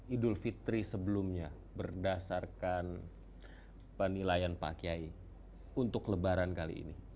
idul fitri sebelumnya berdasarkan penilaian pak kiai untuk lebaran kali ini